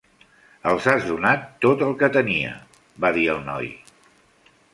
"Els has donat tot el que tenia!", va dir el noi.